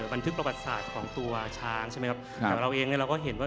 บันทึกประวัติศาสตร์ของตัวช้างใช่ไหมครับอย่างเราเองเนี่ยเราก็เห็นว่า